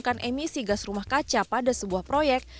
dan menurunkan emisi gas rumah kaca pada sebuah proyek